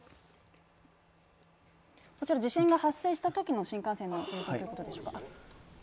こちら地震が発生したときの新幹線の様子ということですね。